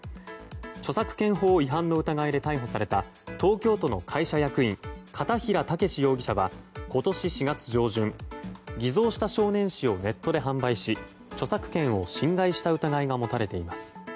著作権法違反の疑いで逮捕された東京都の会社役員片平武容疑者は今年４月上旬偽造した少年誌をネットで販売し著作権を侵害した疑いが持たれています。